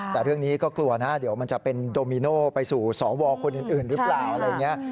แต่เรื่องนี้ก็กลัวนะเดี๋ยวมันจะเป็นโดมิโน่ไปสู่สองวอร์คนอื่นหรือเปล่า